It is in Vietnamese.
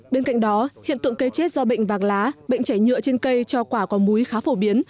bên cạnh đó hiện tượng cây chết do bệnh bạc lá bệnh chảy nhựa trên cây cho quả có múi khá phổ biến